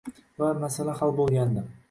va masala hal bo'lgandi.